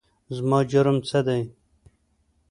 زما جرم څه دی ؟؟